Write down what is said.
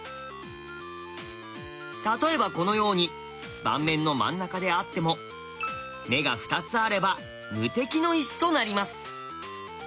例えばこのように盤面の真ん中であっても眼が２つあれば無敵の石となります。